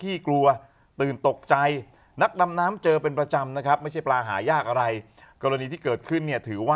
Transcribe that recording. มีคนบอกแล้วว่าเป็นปลากระทุงเหว